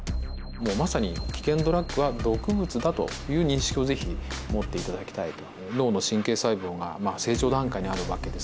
もうまさに危険ドラッグは毒物だという認識を是非持って頂きたいと。